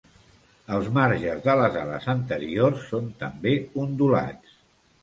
Els marges de les ales anteriors són també ondulats.